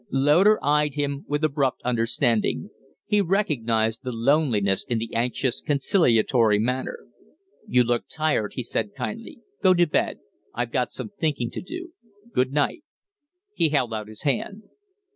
Loder eyed him with abrupt understanding. He recognized the loneliness in the anxious, conciliatory manner. "You're tired," he said, kindly. "Go to bed. I've got some thinking to do. Good night." He held out his hand.